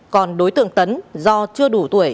còn đối tượng tấn do chưa đủ tuổi